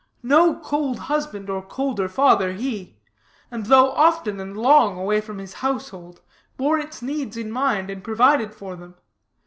No cold husband or colder father, he; and, though often and long away from his household, bore its needs in mind, and provided for them.